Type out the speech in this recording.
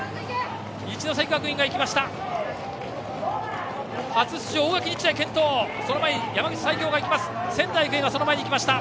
一関学院も行きました。